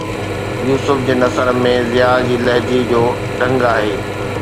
يوسف جي نثر ۾ ضياءَ جي لهجي جو ڍنگ آهي